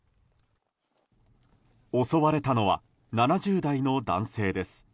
襲われたのは７０代の男性です。